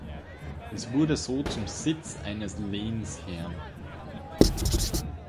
Es wurde so zum Sitz eines Lehnsherren.